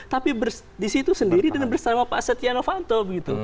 tapi di situ sendiri dan bersama pak setia novanto